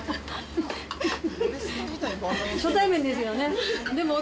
初対面ですよね。